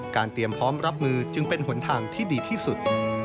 เตรียมพร้อมรับมือจึงเป็นหนทางที่ดีที่สุด